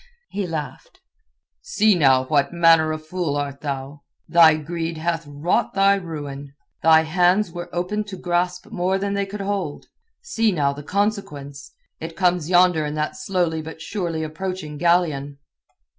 He laughed. "See now what manner of fool art thou? Thy greed hath wrought thy ruin. Thy hands were opened to grasp more than they could hold. See now the consequence. It comes yonder in that slowly but surely approaching galleon."